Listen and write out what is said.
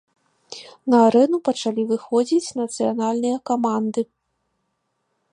На арэну пачалі выходзіць нацыянальныя каманды.